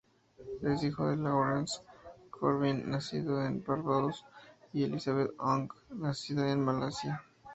Es hijo de Lawrence Corbin nacido en Barbados y Elizabeth Ong nacida en Malasia.